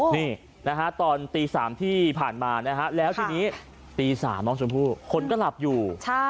นี่ตอนตี๓ที่ผ่านมาแล้วทีนี้ตี๓น้องสุนผู้คนก็หลับอยู่